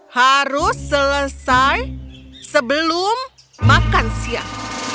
harus selesai sebelum makan siang